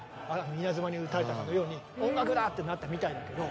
稲妻に打たれたかのように「音楽だ！」ってなったみたいだけど。